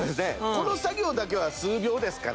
この作業だけは数秒ですから。